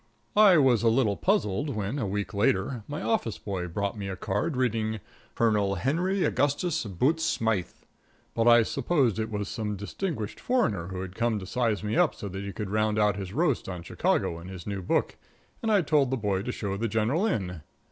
I was a little puzzled when, a week later, my office boy brought me a card reading Colonel Henry Augustus Bottes Smythe, but I supposed it was some distinguished foreigner who had come to size me up so that he could round out his roast on Chicago in his new book, and I told the boy to show the General in.